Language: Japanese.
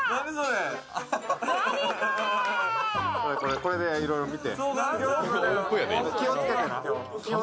これでいろいろ見て。